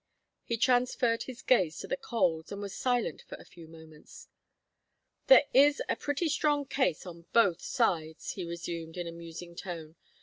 He transferred his gaze to the coals, and was silent for a few moments. "There is a pretty strong case on both sides," he resumed, in a musing tone.